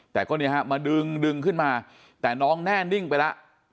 แต่ก็เนี่ยฮะมาดึงดึงขึ้นมาแต่น้องแน่นิ่งไปแล้ว